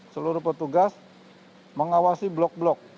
seluruh petugas mengawasi blok blok